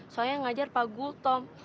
soalnya ngajar pak gutom